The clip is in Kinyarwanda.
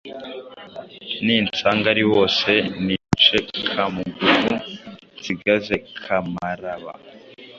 Ninsanga ari bose nice Kamugugu nsigaze Kamaraba